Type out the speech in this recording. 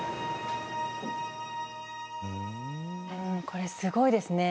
これすごいですね。